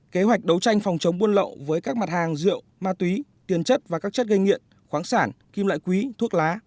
kế hoạch đấu tranh phòng chống buôn lậu với các mặt hàng rượu ma túy tiền chất và các chất gây nghiện khoáng sản kim loại quý thuốc lá